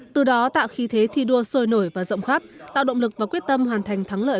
từ đó tạo khí thế thi đua sôi nổi và rộng khắp tạo động lực và quyết tâm hoàn thành thắng lợi